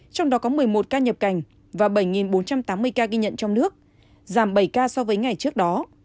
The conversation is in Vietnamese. trong đó có một mươi một ca nhập cảnh và bảy bốn trăm tám mươi ca ghi nhận trong nước giảm bảy ca so với ngày trước đó